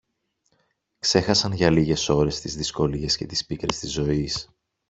ξέχασαν για λίγες ώρες τις δυσκολίες και τις πίκρες της ζωής.